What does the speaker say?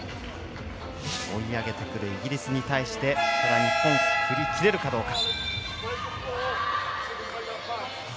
追い上げてくるイギリスに対して日本、振り切れるかどうか。